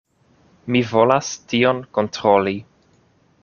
Mi volas tion kontroli.